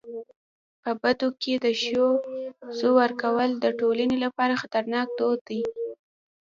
په بدو کي د ښځو ورکول د ټولني لپاره خطرناک دود دی.